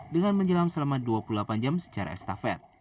dengan menjelang selama dua puluh delapan jam secara estafet